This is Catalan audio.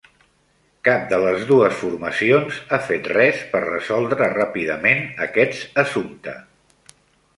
Cap de les dues formacions ha fet res per resoldre ràpidament aquest assumpte.